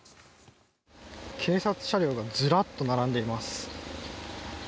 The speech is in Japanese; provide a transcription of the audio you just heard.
警察車両がずらっと並んでいます。